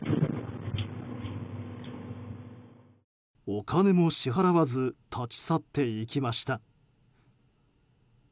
お金も支払わず立ち去っていきました。